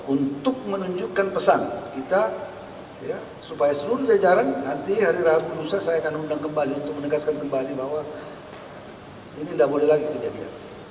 untuk menunjukkan pesan kita supaya seluruh jajaran nanti hari rabu lusa saya akan undang kembali untuk menegaskan kembali bahwa ini tidak boleh lagi kejadian